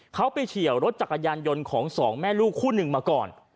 เขาไปเฉียวรถจักรยานยนต์ของสองแม่ลูกคู่หนึ่งมาก่อน